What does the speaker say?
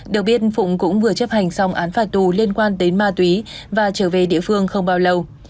được biết phụng cũng vừa chấp hành xong án phạt tù liên quan đến ma túy và trở về địa phương không bao lâu